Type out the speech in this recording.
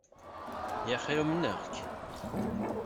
Yaxi umneɣ-k.